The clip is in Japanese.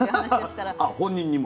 あ本人にも。